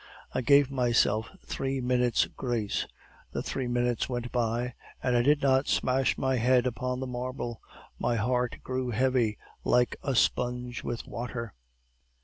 "I gave myself three minutes' grace; the three minutes went by, and I did not smash my head upon the marble; my heart grew heavy, like a sponge with water.